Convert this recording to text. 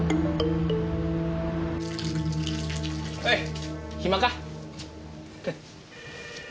おい暇か？